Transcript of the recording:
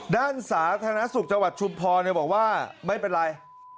ด้านสาธารณสุขจังหวัดชุมพรบอกว่าไม่เป็นไร